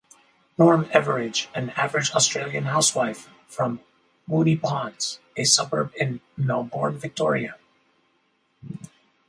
Norm Everage, an "average Australian housewife" from Moonee Ponds, a suburb in Melbourne, Victoria.